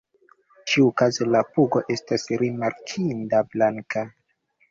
Ĉiukaze la pugo estas rimarkinda blanka.